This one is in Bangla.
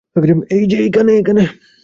এইযে, এখানে।